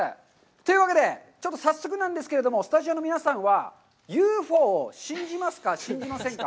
というわけで、ちょっと早速なんですけども、スタジオの皆さんはＵＦＯを信じますか、信じませんか。